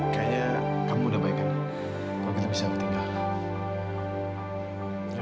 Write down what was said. kayaknya kamu udah baik kan kalau kita bisa meninggalkan